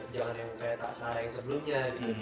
jangan yang kayak taksarah yang sebelumnya